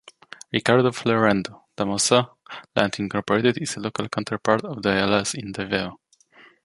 Ricardo Floirendo, Damosa Land Incorporated is a local counterpart of the Ayalas in Davao.